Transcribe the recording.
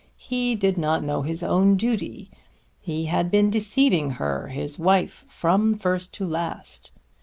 He did not know his own duty. He had been deceiving her, his wife, from first to last.